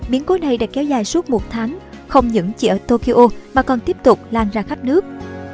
biến cố này đã kéo dài suốt một tháng không những chỉ ở tokyo mà còn tiếp tục lan ra khắp nước